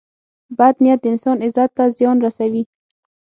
• بد نیت د انسان عزت ته زیان رسوي.